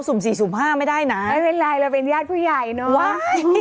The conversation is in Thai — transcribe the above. ุ่มสี่สุ่มห้าไม่ได้นะไม่เป็นไรเราเป็นญาติผู้ใหญ่เนอะวะ